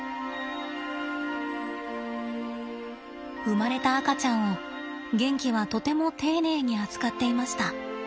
生まれた赤ちゃんをゲンキはとても丁寧に扱っていました。